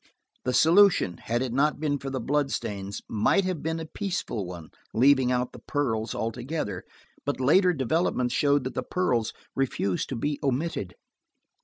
The solution, had it not been for the blood stains, might have been a peaceful one, leaving out the pearls, altogether, but later developments showed that the pearls refused to be omitted.